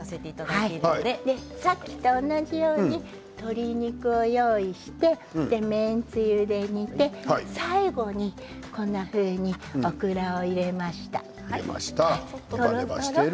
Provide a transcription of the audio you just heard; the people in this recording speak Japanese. さっきと同じように鶏肉を用意して麺つゆで煮て最後に、こんなふうにオクラを入れました。